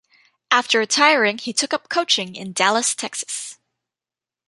After retiring, he took up coaching in Dallas, Texas.